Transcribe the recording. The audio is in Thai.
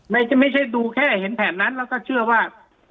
ไม่ใช่ดูแค่เห็นแผนนั้นแล้วก็เชื่อว่า